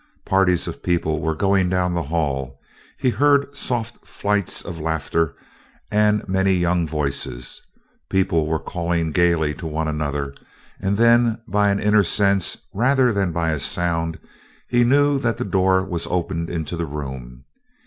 Parties of people were going down the hall; he heard soft flights of laughter and many young voices. People were calling gaily to one another and then by an inner sense rather than by a sound he knew that the door was opened into the room.